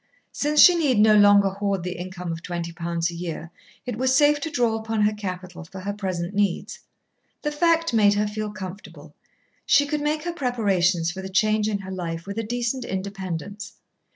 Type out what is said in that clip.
Since she need no longer hoard the income of twenty pounds a year, it was safe to draw upon her capital for her present needs. The fact made her feel comfortable. She could make her preparations for the change in her life with a decent independence.